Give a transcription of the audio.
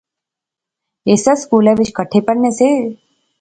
ہیسے سکولے وچ کٹھے پڑھنے سے